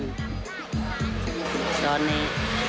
ตอนนี้